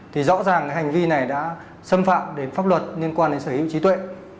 thì rõ ràng cái hành vi này đã xâm phạm đến pháp luật liên quan đến sở hữu trí tuệ